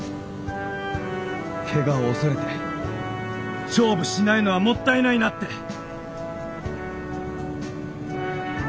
怪我を恐れて勝負しないのはもったいないなって。